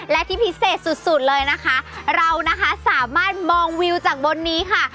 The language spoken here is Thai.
และที่พิเศษสุดสุดเลยนะคะเรานะคะสามารถมองวิวจากบนนี้ค่ะ